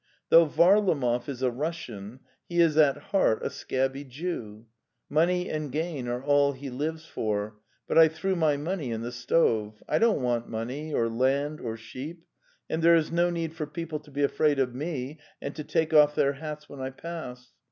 '' Though Varlamov is a Russian, he is at heart a scabby Jew; money and gain are all he lives for, but I threw my money in the stove! I don't want money, or land, or sheep, and there is no need for people to be afraid of me and to take off their hats when I pass.